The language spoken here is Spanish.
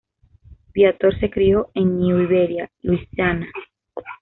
Viator se crio en New Iberia, Louisiana.